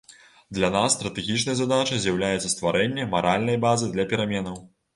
Для нас стратэгічнай задачай з'яўляецца стварэнне маральнай базы для пераменаў.